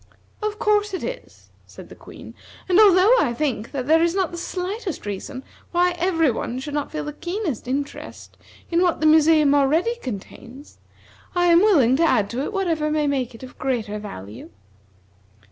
"Of course it is," said the Queen, "and although I think that there is not the slightest reason why every one should not feel the keenest interest in what the museum already contains, I am willing to add to it whatever may make it of greater value."